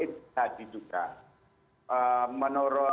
satannya sampe dan itu masih bisa coworkers